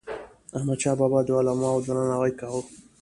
احمدشاه بابا به د علماوو درناوی کاوه.